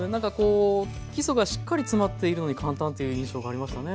基礎がしっかり詰まっているのに簡単っていう印象がありましたね。